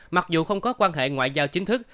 mặc dù không có quan hệ ngoại giao chính thức